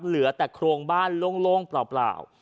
เหลือแต่โครงบ้านโล่งเปล่า